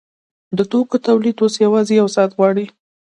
د توکو تولید اوس یوازې یو ساعت کار غواړي